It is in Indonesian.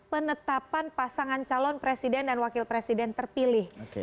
penetapan pasangan calon presiden dan wakil presiden terpilih